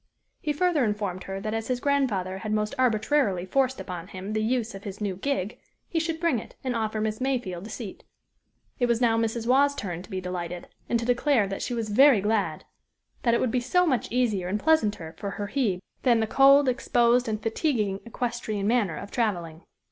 He further informed her that as his grandfather had most arbitrarily forced upon him the use of his new gig, he should bring it, and offer Miss Mayfield a seat. It was now Mrs. Waugh's turn to be delighted, and to declare that she was very glad that it would be so much easier and pleasanter to her Hebe, than the cold, exposed, and fatiguing equestrian manner of traveling.